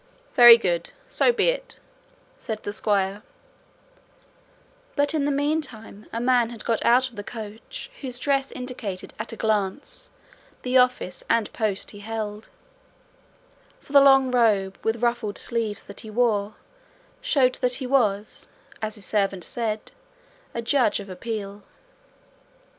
"Very good, so be it," said the squire; but in the meantime a man had got out of the coach whose dress indicated at a glance the office and post he held, for the long robe with ruffled sleeves that he wore showed that he was, as his servant said, a Judge of appeal.